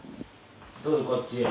どうぞこっちへ。